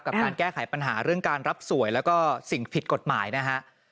การแก้ไขปัญหาเรื่องการรับสวยแล้วก็สิ่งผิดกฎหมายนะฮะ